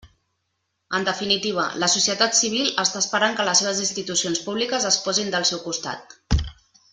En definitiva, la societat civil està esperant que les seves institucions públiques es posin del seu costat.